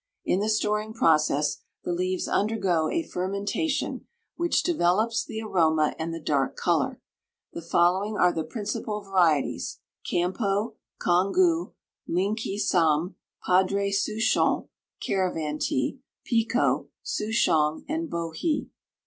In the storing process the leaves undergo a fermentation which develops the aroma and the dark color. The following are the principal varieties: Campoe, Congou, Linki sam, Padre Souchon (caravan tea), Pecoe, Souchong, and Bohe.